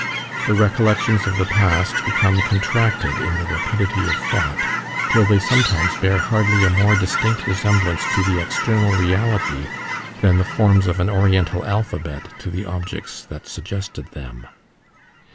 The recollections of the past become contracted in the rapidity of thought till they sometimes bear hardly a more distinct resemblance to the external reality than the forms of an oriental alphabet to the objects that suggested them.